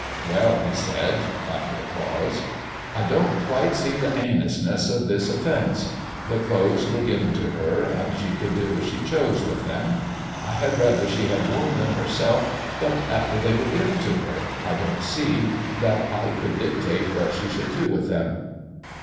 "Well," he said, after a pause, "I don't quite see the heinousness of this offence. The clothes were given to her, and she could do as she chose with them. I had rather she had worn them herself, but, after they were given to her, I don't see that I could dictate what she should do with them."